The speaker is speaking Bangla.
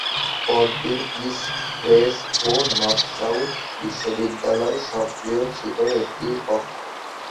পরদিন ইস্ট ওয়েস্ট ও নর্থ সাউথ বিশ্ববিদ্যালয়ে সক্রিয় ছিল একটি পক্ষ।